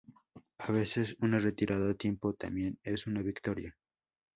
A veces una retirada a tiempo, también es una victoria